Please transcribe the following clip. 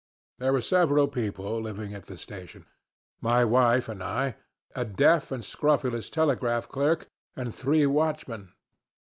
There were several people living at the station: my wife and I, a deaf and scrofulous telegraph clerk, and three watchmen.